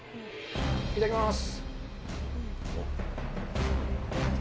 いただきます。